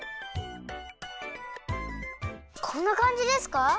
こんなかんじですか？